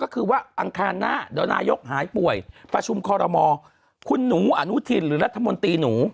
ก็คือว่าอังคารหน้าเดี๋ยวนายกหายป่วยประชุมคอรมอคุณหนูอนุทินหรือรัฐมนตรีหนู